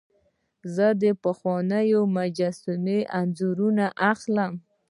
زه د پخوانیو مجسمو انځورونه اخلم.